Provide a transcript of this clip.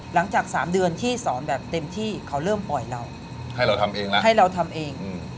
หลังจากสามเดือนที่สอนแบบเต็มที่เขาเริ่มปล่อยเราให้เราทำเองแล้วให้เราทำเอง